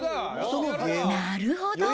なるほど。